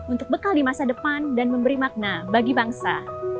untuk bekal di masa depan dan memberi makna bagi bangsa